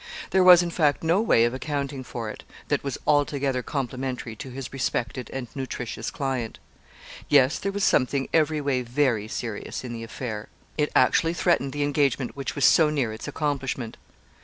There was, in fact, no way of accounting for it, that was altogether complimentary to his respected and nutritious client. Yes; there was something every way very serious in the affair. It actually threatened the engagement which was so near its accomplishment.